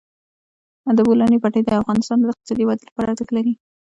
د بولان پټي د افغانستان د اقتصادي ودې لپاره ارزښت لري.